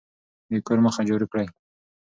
د کور مخه جارو کړئ.